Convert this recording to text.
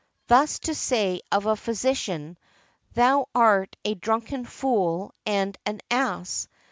Thus to say of a physician, "Thou art a drunken fool and an ass.